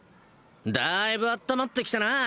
だいぶ温まってきたな